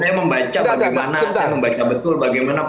saya membaca bagaimana proses rkuhp